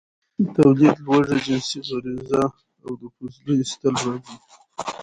، توليد، لوږه، جنسي غريزه او د فضله ايستل راځي.